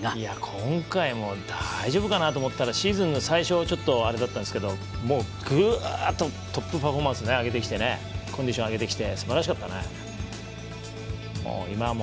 今回も大丈夫かなと思ったらシーズンの最初、ちょっとあれだったんですけどぐーっと、トップパフォーマンス上げてきてコンディション上げてきてすばらしかったね。